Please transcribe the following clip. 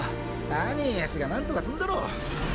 アニエスが何とかすんだろ。